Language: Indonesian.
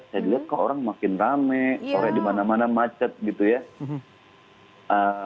saya lihat kok orang makin rame sore di mana mana macet gitu ya